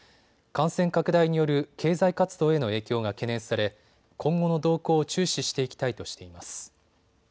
感染拡大による経済活動への影響が懸念され今後の動向を注視していきたいとしています。